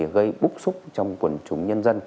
gây búc xúc trong quần chúng nhân dân